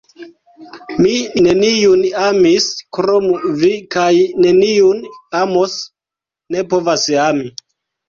Mi neniun amis krom vi kaj neniun amos, ne povas ami!